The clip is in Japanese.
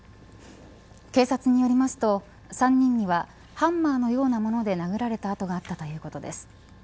警察によりますと３人にはハンマーのようなもので殴られた痕があったということです。